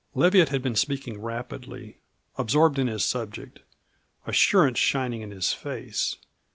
Leviatt had been speaking rapidly, absorbed in his subject, assurance shining in his face.